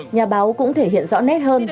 nhà báo cũng thể hiện rõ nét hơn